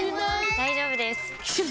大丈夫です！